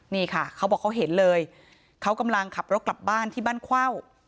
นี่ค่ะเขาบอกเขาเห็นเลยเขากำลังขับรถกลับบ้านที่บ้านเข้า